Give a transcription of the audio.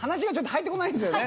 入ってこないですね。